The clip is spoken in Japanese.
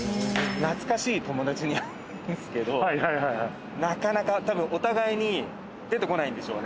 懐かしい友達に会うんですけどなかなか多分お互いに出てこないんでしょうね。